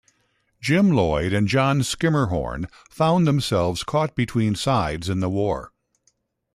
Jim Lloyd and John Skimmerhorn find themselves caught between sides in the war.